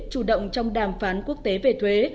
chủ động trong đàm phán quốc tế về thuế